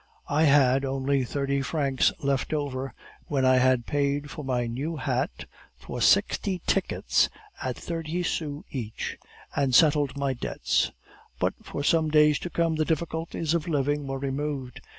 I had only thirty francs left over, when I had paid for my new hat, for sixty tickets at thirty sous each, and settled my debts; but for some days to come the difficulties of living were removed.